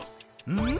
「うん？